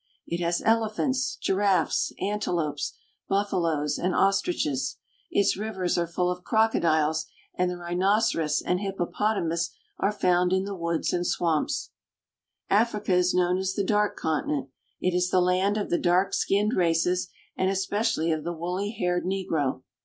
It has elephants, giraffes, antelopes, buffaloes, and os triches ; its rivers are full of crocodiles, and the rhinoceros and hippopotamus are found in the woods and swamps. 12 AFRICA Africa is known as the Dark Continent. It is the land of the dark skinned races, and especially of the woolly haired negro.